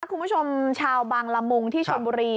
คุณผู้ชมชาวบางละมุงที่ชนบุรี